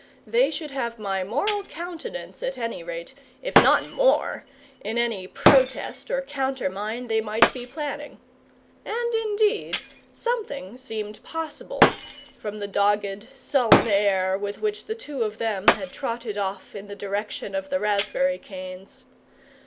They should have my moral countenance at any rate, if not more, in any protest or countermine they might be planning. And, indeed, something seemed possible, from the dogged, sullen air with which the two of them had trotted off in the direction of the raspberry canes.